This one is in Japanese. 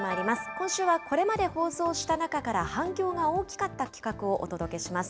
今週はこれまで放送した中から反響が大きかった企画をお届けします。